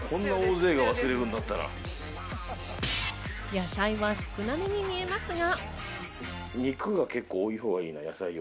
野菜は少なめに見えますが。